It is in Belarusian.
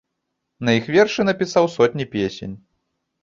На іх вершы напісаў сотні песень.